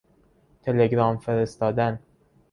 تلگرام فرستادن